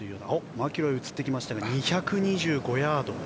マキロイが映ってきましたが２２５ヤード。